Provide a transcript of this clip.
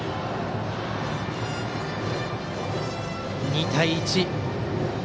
２対１。